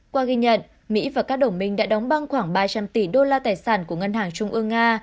qua ghi nhận mỹ và các đồng minh đã đóng băng khoảng ba trăm linh tỷ đô la tài sản của ngân hàng trung ương nga